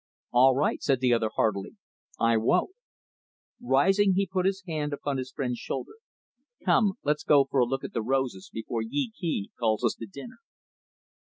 "All right." said the other, heartily, "I won't." Rising, he put his hand on his friend's shoulder. "Come, let's go for a look at the roses, before Yee Kee calls us to dinner."